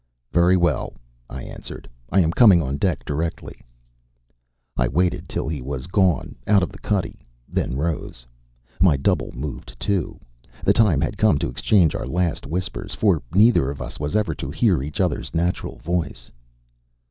"Very well," I answered. "I am coming on deck directly." I waited till he was gone out of the cuddy, then rose. My double moved too. The time had come to exchange our last whispers, for neither of us was ever to hear each other's natural voice.